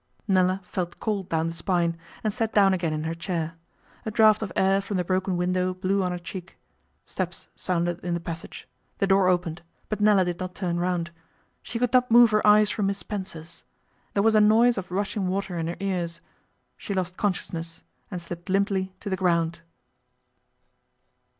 Nella felt cold down the spine, and sat down again in her chair. A draught of air from the broken window blew on her cheek. Steps sounded in the passage; the door opened, but Nella did not turn round. She could not move her eyes from Miss Spencer's. There was a noise of rushing water in her ears. She lost consciousness, and slipped limply to the ground.